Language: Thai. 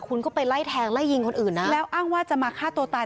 คุณก็ไปไล่แทงไล่ยิงคนอื่นนะแล้วอ้างว่าจะมาฆ่าตัวตาย